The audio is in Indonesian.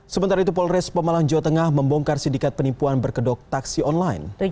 sementara itu polres pemalang jawa tengah membongkar sindikat penipuan berkedok taksi online